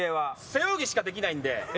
背泳ぎしかできないんで。